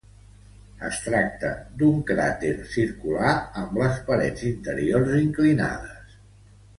Es tracta d'un cràter circular amb les parets interiors inclinades.